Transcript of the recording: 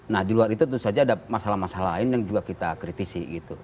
nah di luar itu tentu saja ada masalah masalah lain yang juga kita kritisi gitu